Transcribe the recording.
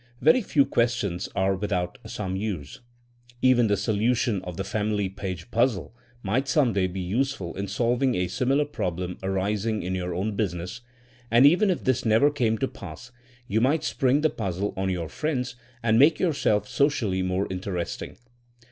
Very few ques tions are without some use. Even the solution of the family page puzzle might some day be useful in solving a similar problem arising in your own business ; and even if this never came to pass you might spring the puzzle on your friends, and make yourself socially more inter esting.